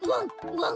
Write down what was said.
ワン。